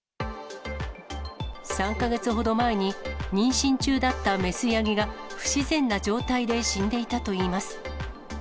３か月ほど前に、妊娠中だった雌ヤギが不自然な状態で死んでいたといいます。